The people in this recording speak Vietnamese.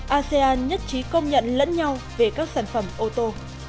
asean nhất trí công nhận lẫn nhau về các sản phẩm ô tô